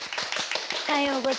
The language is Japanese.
おはようございます。